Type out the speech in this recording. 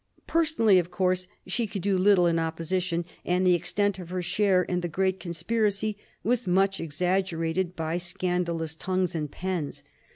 Personally, of course, she could do little in opposition, and the extent of her share in the great conspiracy was much exaggerated by scandalous tongues and pens.